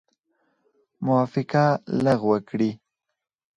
موافقه لغو کړي.